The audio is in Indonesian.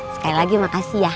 sekali lagi makasih ya